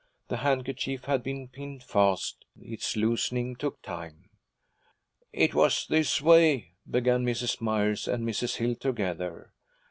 The handkerchief had been pinned fast, its loosening took time. 'It was this way,' began Mrs. Myers and Mrs. Hill, together.